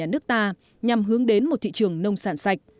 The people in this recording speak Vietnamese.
nước ta nhằm hướng đến một thị trường nông sản sạch